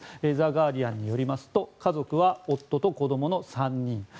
ザ・ガーディアンによりますと家族は夫と子供の３人。